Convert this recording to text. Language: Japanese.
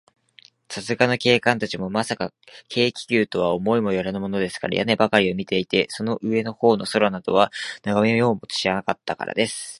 さすがの警官たちも、まさか、軽気球とは思いもよらぬものですから、屋根ばかりを見ていて、その上のほうの空などは、ながめようともしなかったからです。